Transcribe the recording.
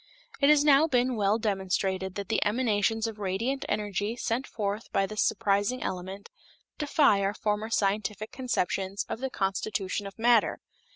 It has now been well demonstrated that the emanations of radiant energy sent forth by this surprising element defy our former scientific conceptions of the constitution of matter.